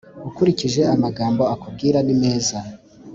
Ukurikije amagambo akubwira nimeza